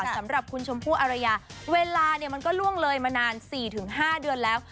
สำหรับคุณชมพู่อารยาเวลามันก็ล่วงเลยมานาน๔๕เดือนแล้ว